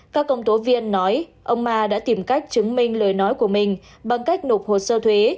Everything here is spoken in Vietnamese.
các công tố viên nói ông ma đã tìm cách chứng minh lời nói của mình bằng cách nộp hồ sơ thuế